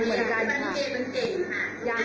ยังไม่ได้กิน